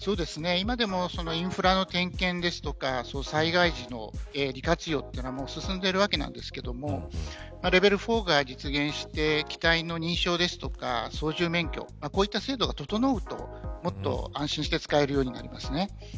今でもインフラの点検とか災害時の利活用というのは進んでいますがレベル４が実現して機体の認証や操縦免許こういった制度が整うともっと安心して使えるようになります。